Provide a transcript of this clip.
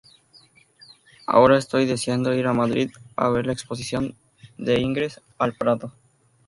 Ahora estoy deseando ir a Madrid a ver la exposición de Ingres al Prado""".